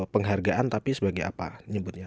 penghargaan tapi sebagai apa